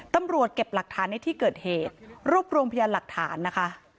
ตำรวจเก็บหลักฐานในที่เกิดเหตุรวบรวมพยานหลักฐานนะคะ